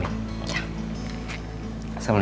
waalaikumsalam hati hati ya ren